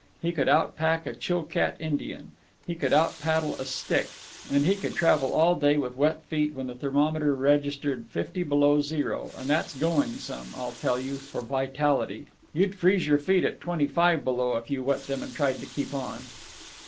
He could outpack a Chilcat Indian, he could outpaddle a Stick, and he could travel all day with wet feet when the thermometer registered fifty below zero, and that's going some, I tell you, for vitality. You'd freeze your feet at twenty five below if you wet them and tried to keep on.